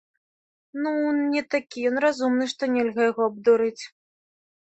Ну, не такі ён разумны, што нельга яго абдурыць.